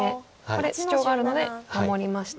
これシチョウがあるので守りまして。